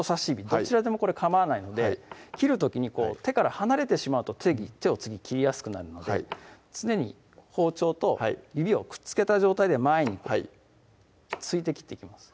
どちらでもかまわないので切る時に手から離れてしまうと手を次切りやすくなるので常に包丁と指をくっつけた状態で前にこう突いて切っていきます